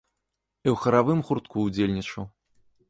І ў харавым гуртку ўдзельнічаў.